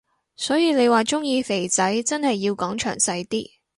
所以你話鍾意肥仔真係要講詳細啲